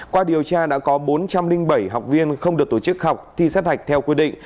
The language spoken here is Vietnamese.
qua điều tra đã có bốn trăm linh bảy học viên không được tổ chức học thi sát hạch theo quy định